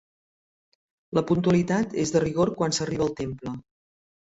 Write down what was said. La puntualitat és de rigor quan s'arriba al temple.